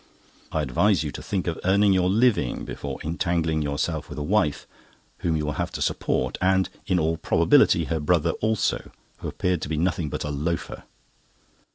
I advise you to think of earning your living before entangling yourself with a wife whom you will have to support, and, in all probability, her brother also, who appeared to be nothing but a loafer."